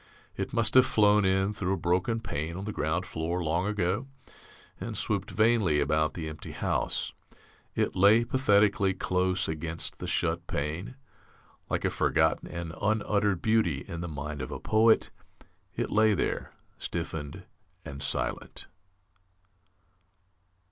It must have flown in through a broken pane on the ground floor long ago and swooped vainly about the empty house. It lay, pathetically, close against the shut pane. Like a forgotten and un uttered beauty in the mind of a poet, it lay there, stiffened and silent.